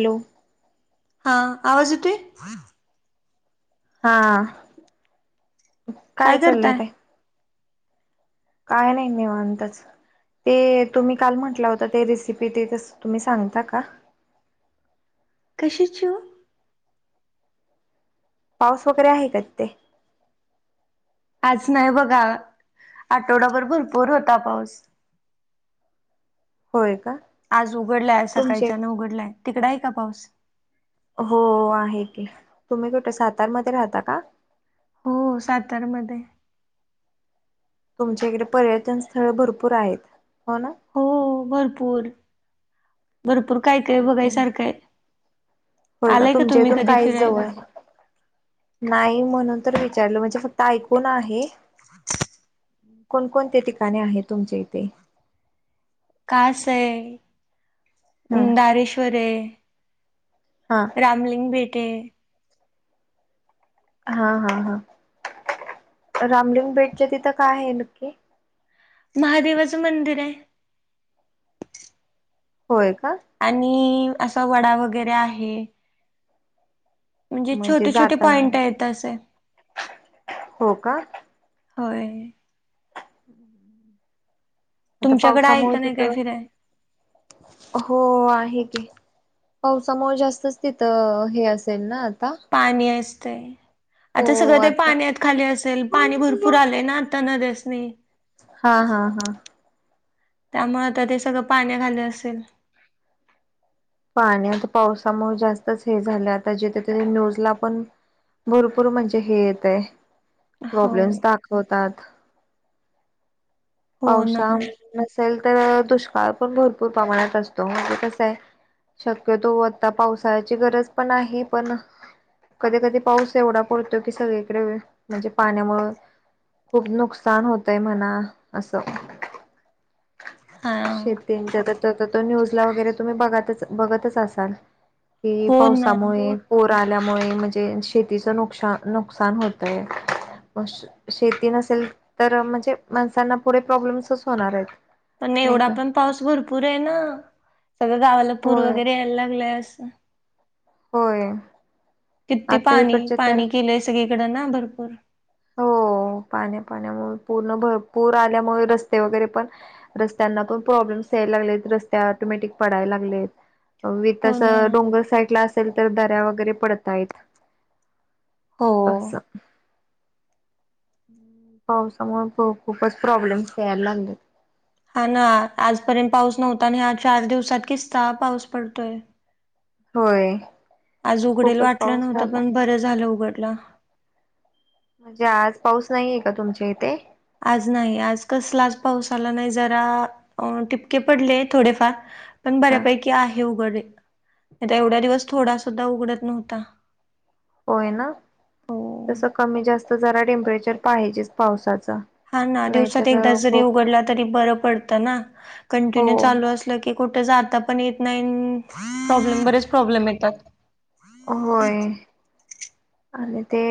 Hello हा आवाज येतोय. हा काय चाललंय ताई काय नाही निवांतच. ते तुम्ही काल म्हटला होता ते रेसिपी ते तस तुम्ही सांगता का कशाची ओ पाऊस वगैरे आहे का तिथे आज नाही बघा आठवडाभर भरपूर होता पाऊस. होय का? आज उघडलाय तुमचे सकाळच्यान उघडलाय. तिकड आहे का पाऊस? हो आहे की. तुम्ही कुठे सातारमध्ये राहता का? हो सातारमध्ये. तुमच्या इकडे पर्यटन स्थळ भरपूर आहेत हो ना? हो भरपूर भरपूर काय काय बघाय सारखय. होय का तुमच्या इथून काहीच जवळ आहे. नाही म्हणून तर विचारल म्हणजे फक्त ऐकून आहे. [inaudible] कोणकोणते ठिकाणे आहे तुमच्या इथे? कास आहे ह दारेश्वर आहे. हां रामलिंग बेटय हा हा हां रामलिंग बेटच्या तिथ काय आहे नक्की? महादेवाच मंदिर आहे. होय का. आणि असा वडा वगैरे आहे. म्हणजे छोटे छोटे पॉईंट आहेत असे. हो का होय [inaudible] आता तुमच्याकडे आहे पावसामुळे का नाही तीथ काय फिराय हो आहे की. पावसामुळे जास्तच तिथ हे असेल ना आता. पाणी असतय. हो आता सगळं ते आता पाण्यात खाली असेल पाणी भरपूर आलय ना आता नद्यासनी. हां हां हां त्यामुळे आता ते सगळ पाण्याखाली असेल. पाण्यात आता पावसामुळे जास्तच हे झालंय आता जिथे त न्यूजला पण भरपूर म्हणजे हे येत आहे हो प्रॉब्लेम्स दाखवतात. हो ना पावसाळा नसेल तर दुष्काळ पण भरपूर प्रमाणात असतो म्हणजे कसं आहे शक्यतो आता पावसाळ्याची गरज पण आहे पण कधी कधी पाऊस एवढा पडतो की सगळीकडे म्हणजे पाण्यामुळ खूप नुकसान होतय म्हणा अस. हां शेतीच्या तसं तर न्यूजला वगैरे तुम्ही बघ बघतच असाल. कि हो ना पावसामुळे पुर आल्यामुळे म्हणजे शेतीचं नुकसा नुकसान होतय. शेती नसेल तर म्हणजे माणसांना पुढे प्रॉब्लेम्सच होणार आहेत. पण नाही एवढा का पण पाऊस भरपूर आहे ना सगळ गावाला पूर होय वगैरे यायला लागलाय अस. होय किती आता पाणी इकडचे तर पाणी केलय सगळीकड ना भरपूर. हो पाण्या पाण्यामुळे पूर्ण भरपूर आल्यामुळे रस्ते वगैरे पण रस्त्यांना पण प्रॉब्लेम्स यायला लागलेत रस्त्या ऑटोमॅटिक पडाय लागलेत. विथ हो ना असं डोंगर साईडला असेल तर दऱ्या वगैरे पडत आहेत. हो असं पावसामुळे ख खूपच प्रॉब्लेम्स यायला लागलेत. हा ना आजपर्यंत पाऊस नव्हता आणि ह्या चार दिवसात किस्ता पाऊस पडतोय. होय आज उघडेल खूपच वाटल पाऊस नव्हत झालाय पण बर झाल उघडला. म्हणजे आज पाऊस नाहीये का तुमच्या इथे? आज नाही आज कसलाच पाऊस आला नाही जरा अ टिपके पडले थोडेफार. पण हा बऱ्यापैकी आहे उघड नाही तर एवढ्या दिवस थोडा सुद्धा उघडत नव्हता. होय ना हो तसं कमी जास्त जरा टेंपरेचर पाहिजेच पावसाच. हा ना दिवसात एकदा जरी उघडला तरी बर पडत ना हो कंटिन्यू चालू असल की. कुठे जाता पण येत नाही प्रॉब्लेम बरेच प्रॉब्लेम येतात. होय आणि ते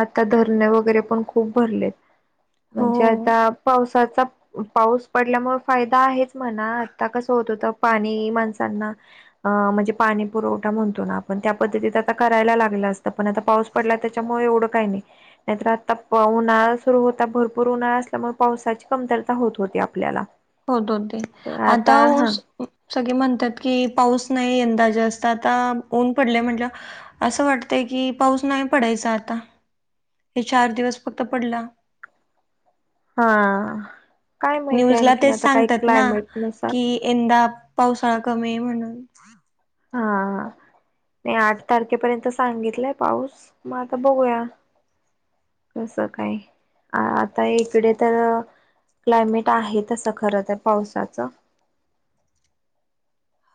आता धरणे वगैरे पण खूप भरलेत हो म्हणजे आता पावसाचा पाऊस पडल्यामुळ फायदा आहेच म्हणा आता कस होत होत पाणी माणसांना अ म्हणजे पाणी पुरवठा म्हणतो ना आपण त्या पद्धतीत आता करायला लागला अस तर पण आता पाऊस पडला त्याच्यामुळे एवढ काही नाही. नाहीतर आता उन्हाळा सुरू होता भरपूर उन्हाळा असल्यामुळे पावसाची कमतरता होत होती आपल्याला. होत होती तर आता हा उष सगळी म्हणतात की पाऊस नाही यंदा जास्त आता ऊन पडलय म्हटल्यावर अस वाटतय की पाऊस नाही पडायचा आता. हे चार दिवस फक्त पडला. हा काय माहिती न्यूजला आणखीन तेच आता काय सांगतात ना क्लायमेट नुसार. कि यंदा पावसाळा कमी आहे म्हणून. हा हां नाही आठ तारखेपर्यंत सांगितलाय पाऊस मग आता बघूया. कसं काय आता इकडे तर क्लायमेट आहे तसं खर तर पावसाच.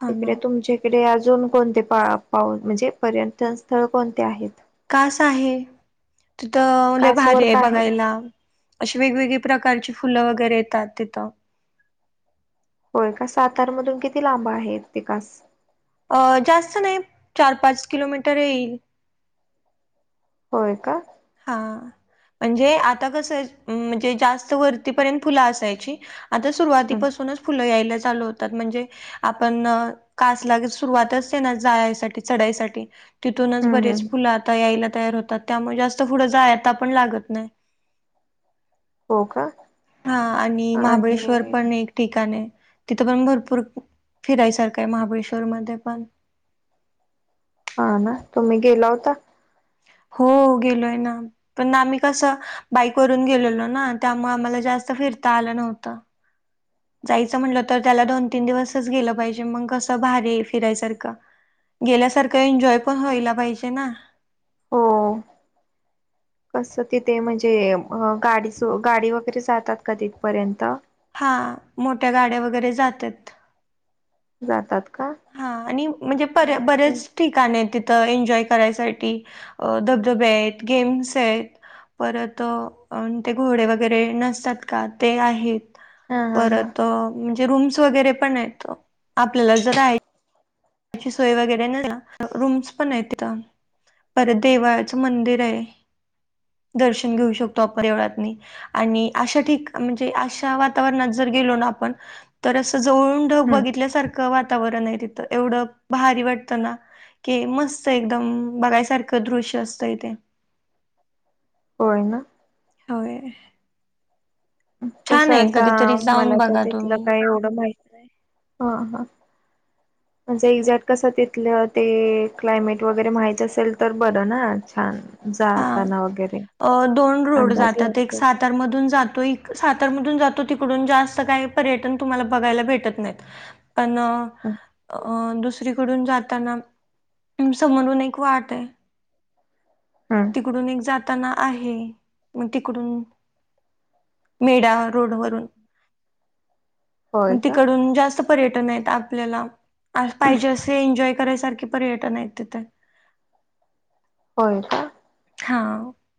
हा ना तिकडे तुमच्याकडे अजून कोणते पा पाऊ म्हणजे पर्यटन स्थळ कोणते आहेत? कास आहे तिथ लय कासवर भारी आहे का बघायला. अशी वेगवेगळे प्रकारची फुल वगैरे येतात तिथ. होय का सातार मधून किती लांब आहे ते कास अ जास्त नाही चार पाच किलोमीटर येईल. होय का. हा म्हणजे आता कसंय म्हणजे जास्त वरतीपर्यंत फुल असायची. आता हम्म सुरुवातीपासूनच फुल यायला चालू होतात म्हणजे आपण कासलागे सुरुवातच आहे ना जायसाठी चढायसाठी तिथूनच हम्म बरेच हम्म फुल आता यायला तयार होतात त्यामुळे जास्त पुुढ जायता पण लागत नाही. हो का हा आणि महाबळेश्वर आणि पण एक ठिकाण आहे तिथं पण भरपूर फिरायसारख आहे महाबळेश्वर मध्ये पण. हा ना तुम्ही गेला होता? हो गेलोय ना. पण आम्ही कसं बाईक वरुन गेलतो ना त्यामुळे आम्हाला जास्त फिरता आल नव्हत. जायच म्हंटल तर त्याला दोन तीन दिवसच गेल पाहिजे मग कस भारी फिरायसारख. गेल्यासारखं एन्जॉय पण व्हायला पाहिजे ना. हो. कसं तिथे म्हणजे, गाडीच गाडी वगैरे जातात का तिथपर्यंत? हा मोठ्या गाड्या वगैरे जात्यात. जातात का? हा आणि म्हणजेे बरेच हा ठिकाण आहे तिथं एन्जॉय करायसाठी. अ, धबधबे आहेत, गेम्स आहेत. परत अ, ते घोडे वगैरे नसतात का ते आहेत. हा हा परत अं म्हणजे रूम्स वैगेरे पण आहेत आपल्याला जर राहायचं सोय वगैरे रूम्स पण आहेत तिथं परत देवाळाचं मंदिर आहे दर्शन घेऊ शकतो आपण देवळातनी आणि अशा ठिक म्हणजे अशा वातावरणात जर गेलो ना आपण तर असं जवळून ढग हम्म बघितल्यासारखं वातावरण आहे तिथं एवढं भारी वाटतं ना, की मस्त एकदम बघायसारखं दृश्य असतंय ते होय ना होय कश छान आहे आता कधीतरी जाऊन मला तर बघा तिथलं तुम्ही काय एवढं माहित नाही हा हा म्हणजे इक्झॅक्ट कसं तिथलं ते क्लायमेट वगैरे माहित असेल तर बरं ना छान हा जाताना वगैरे अं दोन रोड अंदाज जातात एक लागतो सातार मधून जातो सातारमधून जातो तिकडून जास्त काय पर्यटन तुम्हांला बघायला भेटत नाहीत पण अ हम्म दुसरीकडून जाताना समोरून एक वाट आहे. हा इकडून एक जाताना आहे मग तिकडून मीरा रोड वरून होय मग का तिकडून जास्त पर्यटन आहेत आपल्याला असं पाहिजे असे एन्जॉय करायसारखे पर्यटन आहेत तिथं होय का हा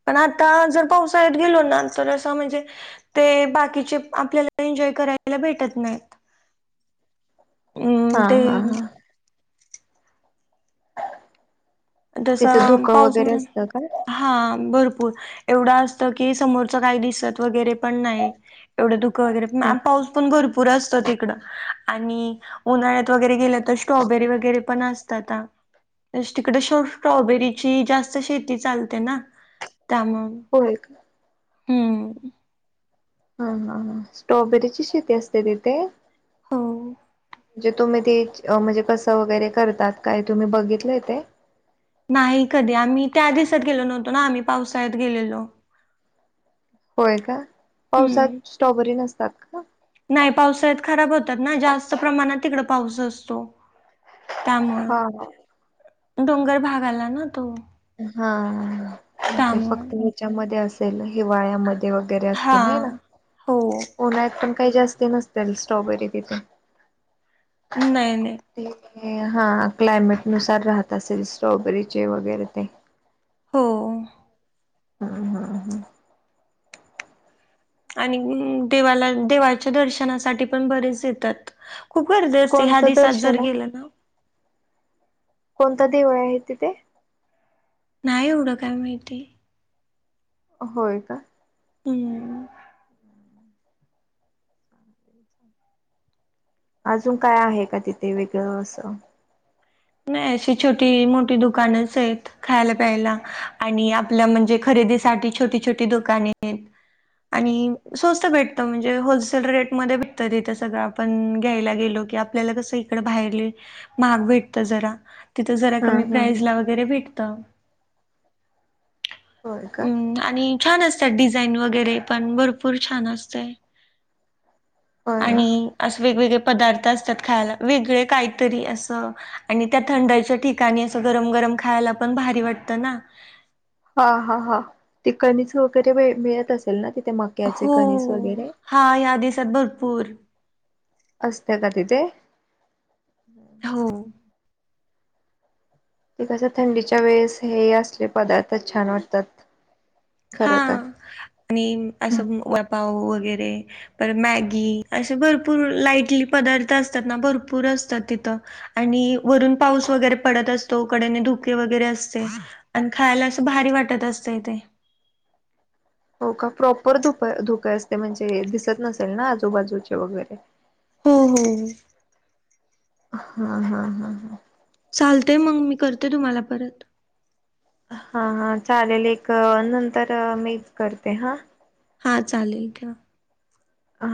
पण आता जर पावसाळ्यात गेलो ना तर असं म्हणजे ते बाकीचे आपल्याला एन्जॉय करायला भेटत नाहीत. हा अम ते हा हा तसा तिथं धुकं पाऊस वगैरे म्हणा असतं का हा भरपूर एवढं असतो की समोरचं काही दिसत वगैरे पण नाही एवढं धुकं वगरै पण हम्म. आणि पाऊस पण भरपूर असतो तिकडं आणि उन्हाळ्यात वगैरे गेलं तर स्ट्रॉबेरी वगैरे पण असत आता तिकडे स्ट्रॉबेरीची जास्त शेती चालते ना त्यामुळं होय हम्म हा हा स्ट्रॉबेरीचीचं शेती असत्या तिथे हो हो म्हणजे तुम्ही ते म्हणजे कसं वगैरे करतात काय तुम्ही बघितलंय ते नाही कधी आम्ही त्या दिवसात गेलो नव्हतो ना आम्ही पावसाळ्यात गेलेलो होय का पावसात हम्म स्ट्रॉबेरी नसतात. का नाही पावसाळ्यात खराब होतात ना जास्त प्रमाणात तिकडं पाऊस असतो हा त्यामुळ हा डोंगर भाग आला ना तो. हा ते त्यामुळे फक्त हेच्यामध्ये असेल हिवाळ्यामध्ये. वगैरे हा. असतील हे ना हो. उन्हाळ्यात पण काही जास्ती नसत्याल स्ट्रॉबेरी तिथ. नाही नाही. ते हा, क्लायमेटनुसार राहत असेल स्ट्रॉबेरीचे वगैरे ते. हो. हा हा हा. आणि देवाला देवाच्या दर्शनासाठी पण बरेच येतात. खूप गर्दी असते, ह्या कोणतं दिसात जर दर्शन आहे गेलं ना. कोणतं देऊळ आहे तिथे? नाही एवढं काय माहिती? होय का? हूं ऊ. [inaudible] अजून काय आहे का तिथे वेगळं असं? नाही, अशी छोटी मोठी दुकानंच हायेत. खायला प्यायला आणि आपल्या म्हणजे खरेदीसाठी छोटी छोटी दुकाने हायेत. आणि सोस्त भेटत म्हणजे होलसेल रेटमध्ये भेटतं तिथ सगळं आ पण घ्यायला गेलो की, आपल्याला कस इकड बाहेर लय महाग भेटत तीथ जरा, तिथं जरा हम्म कमी हम्म प्राईज हम्म ला वगैरे भेटत. होय का हं आणि छान असत्यात डिझाईन वगैरे पण भरपूर छान असतय. होय ना आणि असं वेगवेगळे पदार्थ असतात खायला. वेगळे काहीतरी असं. आणि त्या थंडाईच्या ठिकाणी, असं गरम गरम खायला पण भारी वाटतं ना. हा हा हा. ते कणीस वगैरे मिळत असेल ना तिथे, मक हो. हा या दिसात भरपूर असतय का तिथे? हो. ते कस थंडीच्या वेळेस हे असले पदार्थच छान वाटतात. हा खर तर आणि असं वडापाव वगैरे परत मॅगी असे भरपूर लाईटली पदार्थ असतात ना, भरपूर असतात तिथं. आणि वरून पाऊस वगैरे पडत असतो. कडेने धुके वगैरे असते. आणि खायाला असं भारी वाटत असतंय ते. हो का? प्रॉपर धुक धूके असतय म्हणजे दिसत नसेल ना आजूबाजूचे वगैरे हो हो. हा हा हा हा. चालतय मग मी, करते तुम्हाला परत? हा हा चालेल, एक अ नंतर मीच करते हा. हा चालेल ठेवा.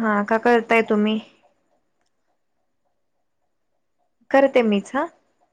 हा का करताय तुम्ही? करते मीच हा.